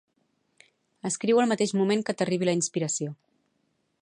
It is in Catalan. Escriu al mateix moment que t'arribi la inspiració